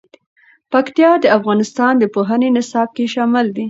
پکتیا د افغانستان د پوهنې نصاب کې شامل دي.